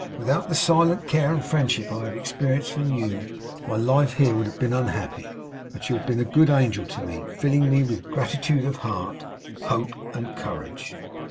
Without the silent care and friendship I have experienced from you, my life here would have been unhappy. But you have been a good angel to me; filling me with gratitude of heart, hope, and courage.